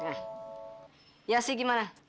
nah ya sih gimana